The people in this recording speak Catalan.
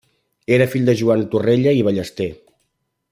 Era fill de Joan Torrella i Ballester.